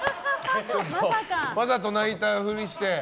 わざと泣いたふりして？